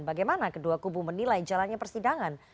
bagaimana kedua kubu menilai jalannya persidangan